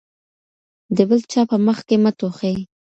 د بل چا په مخ کې مه ټوخئ.